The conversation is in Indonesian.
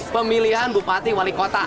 pemilihan bupati wali kota